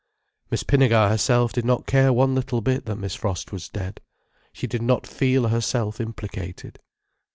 Miss Pinnegar herself did not care one little bit that Miss Frost was dead. She did not feel herself implicated.